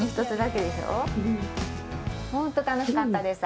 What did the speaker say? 本当楽しかったです。